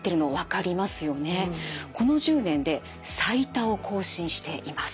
この１０年で最多を更新しています。